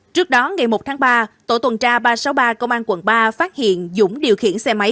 trước đó ngày một tháng ba tổ tuần tra ba trăm sáu mươi ba công an quận ba phát hiện dũng điều khiển xe máy